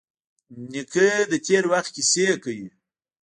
نیکه د تېر وخت کیسې کوي.